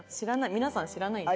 皆さん知らないんじゃ。